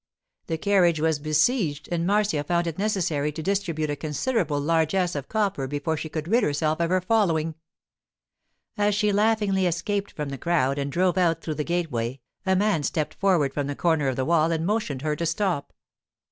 The carriage was besieged, and Marcia found it necessary to distribute a considerable largess of copper before she could rid herself of her following. As she laughingly escaped from the crowd and drove out through the gateway a man stepped forward from the corner of the wall and motioned her to stop.